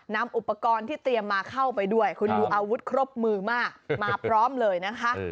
นำอุปกรณ์ที่เตรียมมาเข้าไปด้วยคุณดูอาวุธครบมือมากมาพร้อมเลยนะคะ